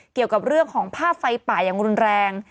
เกี่ยวกับเรื่องของภาพไฟป่าอย่างรุนแรง